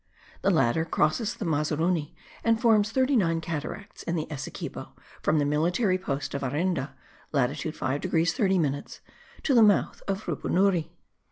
The latter crosses the Mazaruni, and forms thirty nine cataracts in the Essequibo, from the military post of Arinda (latitude 5 degrees 30 minutes) to the mouth of Rupunuri.